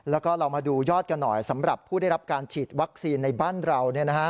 แล้วก็เรามาดูยอดกันหน่อยสำหรับผู้ได้รับการฉีดวัคซีนในบ้านเรา